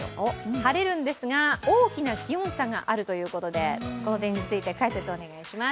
晴れるんですが、大きな気温差があるということで、この点について解説をお願いします。